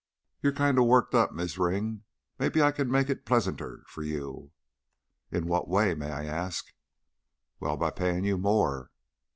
"You're kinda worked up, Miz' Ring. Mebbe I can make it pleasanter for you." "In what way, may I ask?" "Well, by payin' you more."